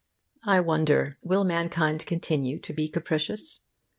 I wonder, will mankind continue to be capricious?